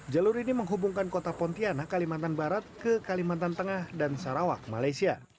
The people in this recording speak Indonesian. jalur ini menghubungkan kota pontianak kalimantan barat ke kalimantan tengah dan sarawak malaysia